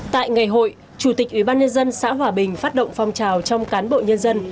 tại ngày hội chủ tịch ủy ban nhân dân xã hòa bình phát động phong trào trong cán bộ nhân dân